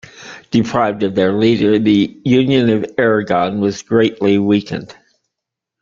Deprived of their leader, the Union of Aragon was greatly weakened.